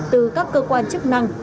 từ các cơ quan chức năng